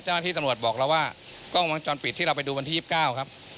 เจ้าหน้าที่ตำรวจบอกแล้วว่ากล้องวงจรปิดที่เราไปดูวันที่๒๙ครับ